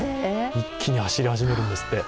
一気に走り始めるんですって。